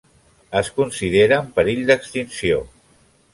Es considera en perill d'extinció.